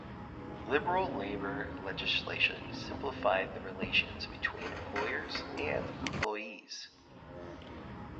Liberal labour legislation simplified the relations between employers and employees.